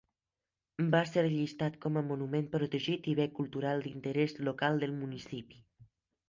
Va ser llistat com a monument protegit i bé cultural d'interès local del municipi.